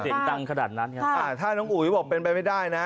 เสียงดังขนาดนั้นไงอ่าถ้าน้องอุ๋ยบอกเป็นไปไม่ได้นะ